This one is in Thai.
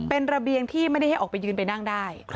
เป็นระเบียงที่ไม่ได้ให้ออกไปยืนไปนั่งได้